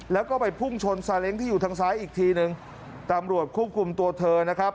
แล้วก็ไปพุ่งชนซาเล้งที่อยู่ทางซ้ายอีกทีหนึ่งตำรวจควบคุมตัวเธอนะครับ